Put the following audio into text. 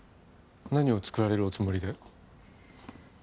何を作られるおつもりで？